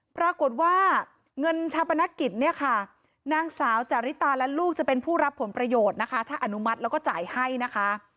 ปรากฏว่าเงินชาปนกิจเนี่ยค่ะนางสาวจาริตาและลูกจะเป็นผู้รับผลประโยชน์นะคะถ้าอนุมัติแล้วก็จ่ายให้นะคะ